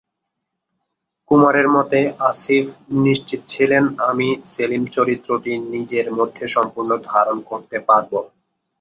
কুমারের মতে, "আসিফ নিশ্চিত ছিলেন আমি সেলিম চরিত্রটি নিজের মধ্যে সম্পূর্ণ ধারণ করতে পারব।"